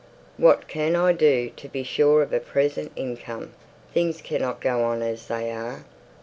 "What can I do to be sure of a present income? Things cannot go on as they are.